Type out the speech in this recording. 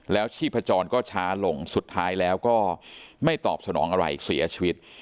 แล้วชีพจรก็ช้าลงสุดท้ายแล้วก็ไม่ตอบสนองอะไรเสียชีวิต